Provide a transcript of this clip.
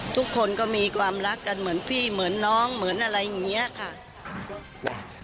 ทุกคนก็มีความรักกันเหมือนพี่เหมือนน้องเหมือนอะไรอย่างนี้ค่ะ